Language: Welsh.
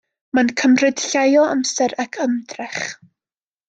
Mae'n cymryd llai o amser ac ymdrech.